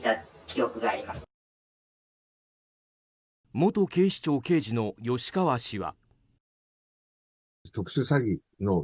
元警視庁刑事の吉川氏は。